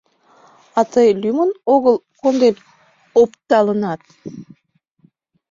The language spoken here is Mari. — А тый лӱмын огыл конден опталынат?